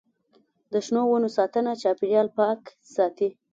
د شنو ونو ساتنه چاپیریال پاک ساتي.